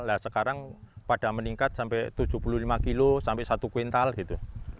nah sekarang pada meningkat sampai tujuh puluh lima kilo sampai satu kuintal gitu